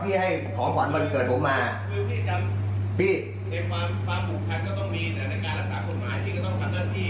พี่จำในความผูกพันก็ต้องมีในการรักษาผลหมายพี่ก็ต้องฝันต้านพี่